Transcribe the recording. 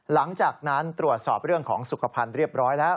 หลังจากนั้นตรวจสอบเรื่องของสุขภัณฑ์เรียบร้อยแล้ว